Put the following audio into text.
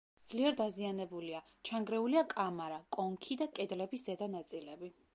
ძლიერ დაზიანებულია: ჩანგრეულია კამარა, კონქი და კედლების ზედა ნაწილები.